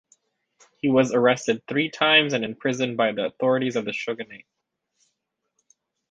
He was arrested three times and imprisoned by the authorities of the shogunate.